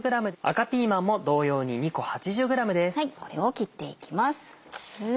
これを切っていきます。